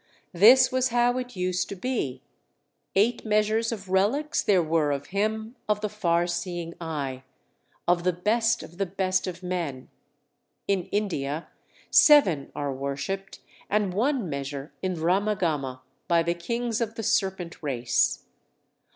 This was how it used to be. Eight measures of relics there were of him of the far seeing eye, of the best of the best of men. In India seven are worshipped, and one measure in Ramagama, by the kings of the serpent race.